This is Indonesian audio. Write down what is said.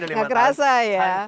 tidak kerasa ya